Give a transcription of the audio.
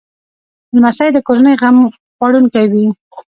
لمسی د کورنۍ غم خوړونکی وي.